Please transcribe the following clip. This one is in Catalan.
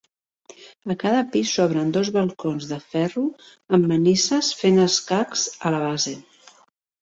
A cada pis s'obren dos balcons de ferro amb manises fent escacs a la base.